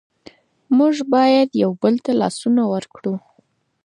موږ باید یو بل ته لاسونه ورکړو.